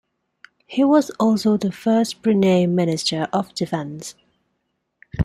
He was also the first Brunei Minister of Defence.